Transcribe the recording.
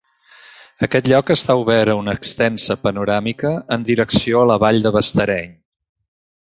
Aquest lloc està obert a una extensa panoràmica en direcció a la vall de Bastareny.